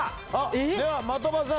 では的場さん